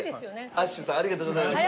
Ａｓｈさんありがとうございました。